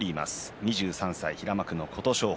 ２３歳、平幕の琴勝峰。